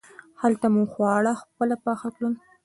هلته مو خواړه خپله پاخه کړل.